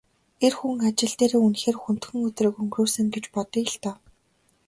Эр хүн ажил дээрээ үнэхээр хүндхэн өдрийг өнгөрөөсөн гэж бодъё л доо.